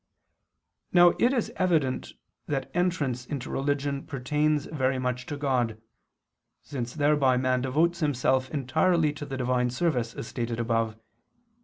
Now it is evident that entrance into religion pertains very much to God, since thereby man devotes himself entirely to the divine service, as stated above (Q.